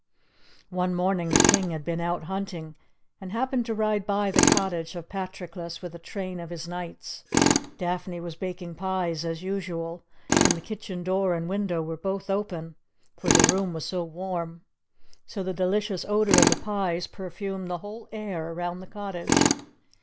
One morning the King had been out hunting, and happened to ride by the cottage of Patroclus with a train of his knights. Daphne was baking pies as usual, and the kitchen door and window were both open, for the room was so warm; so the delicious odour of the pies perfumed the whole air about the cottage.